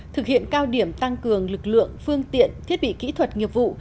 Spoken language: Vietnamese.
thực hiện cao điểm tăng cường lực lượng phương tiện thiết bị kỹ thuật nghiệp vụ